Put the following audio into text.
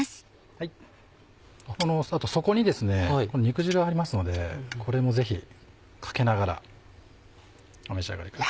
あと底に肉汁がありますのでこれもぜひかけながらお召し上がりください。